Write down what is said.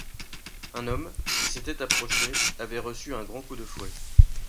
Un homme, qui s’était approché, avait reçu un grand coup de fouet.